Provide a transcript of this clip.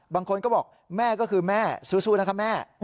บางคนก็บอกแม่ก็คือแม่สู้นะคะแม่